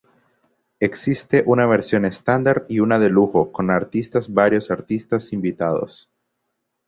Existe una versión estándar y una de lujo con artistas varios artistas invitados.